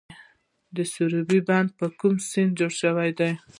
د سروبي بند په کوم سیند جوړ شوی دی؟